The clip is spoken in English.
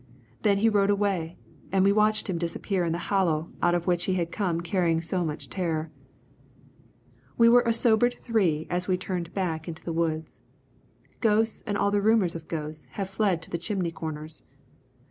Then he rode away, and we watched him disappear in the hollow out of which he had come carrying so much terror. We were a sobered three as we turned back into the woods. Ghosts and all the rumours of ghosts had fled to the chimney corners.